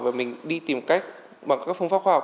và mình đi tìm cách bằng các phương pháp khoa học